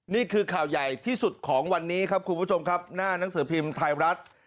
นี่คือข่าวใหญ่ที่สุดของวันนี้ครับคุณผู้ชมครับหน้านังสือพิมพ์ไทยรัฐ